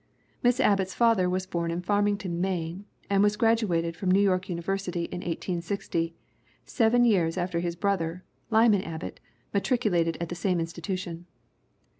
Miss Abbott's father was born in Farmington, Maine, and was graduated from New York Univer sity in 1860, seven years after his brother, Lyman Abbott, matriculated at the same institution.